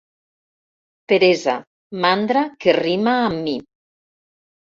Peresa, mandra que rima amb mi.